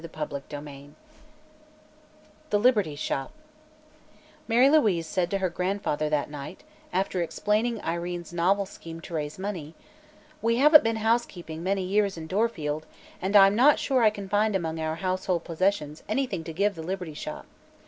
CHAPTER VII THE LIBERTY SHOP Mary Louise said to her grandfather that night, after explaining Irene's novel scheme to raise money: "We haven't been housekeeping many years in Dorfield and I'm not sure I can find among our household possessions anything to give the Liberty Shop.